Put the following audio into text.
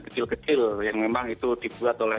kecil kecil yang memang itu dibuat oleh